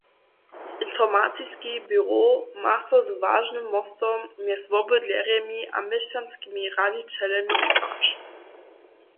Informaciski běrow ma so z wažnym mostom mjez wobydlerjemi a měšćanskimi radźićelemi stać.